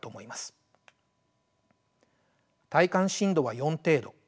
体感震度は４程度。